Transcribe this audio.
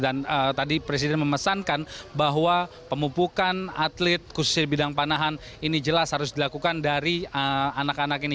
dan tadi presiden memesankan bahwa pemupukan atlet khususnya di bidang panahan ini jelas harus dilakukan dari anak anak ini